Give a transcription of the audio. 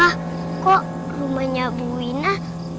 taftah kok rumahnya bu wina